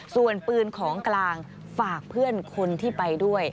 ส่วนปืนของกลางฝากเพื่อนคนที่ไปด้วย